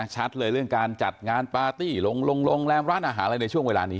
ชัดเลยเรื่องการจัดงานปาร์ตี้ลงโรงแรมร้านอาหารอะไรในช่วงเวลานี้